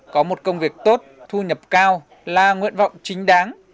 có một công việc tốt thu nhập cao là nguyện vọng chính đáng